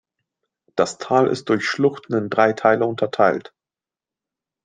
Das Tal ist durch Schluchten in drei Teile unterteilt.